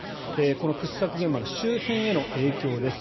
この掘削現場の周辺への影響です。